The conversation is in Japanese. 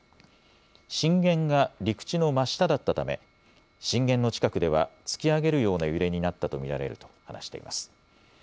震源が陸地の真下だったため震源の近くでは突き上げるような揺れになったと見られると話しています。